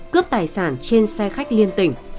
cướp tài sản trên xe khách liên tỉnh